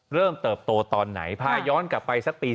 เติบโตตอนไหนพาย้อนกลับไปสักปี